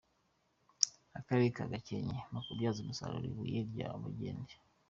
Akarere ka Gakenke mu kubyaza umusaruro ibuye rya Bagenge.